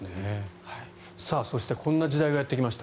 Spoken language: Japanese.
そしてこんな時代がやってきました。